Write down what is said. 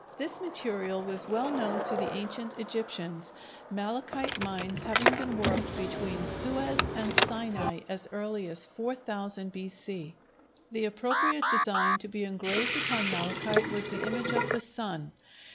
This material was well known to the ancient Egyptians, malachite mines having been worked between Suez and Sinai as early as 4000 B.C. The appropriate design to be engraved upon malachite was the image of the sun.